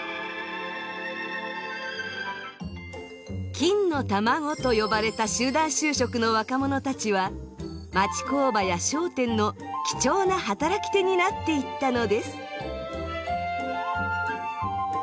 「金の卵」と呼ばれた集団就職の若者たちは町工場や商店の貴重な働き手になっていったのです。